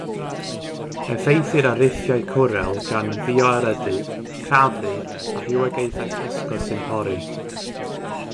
Effeithir ar riffiau cwrel gan fioerydu, crafu, a rhywogaethau pysgod sy'n pori.